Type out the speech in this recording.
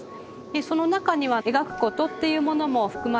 その中には描くことっていうものも含まれます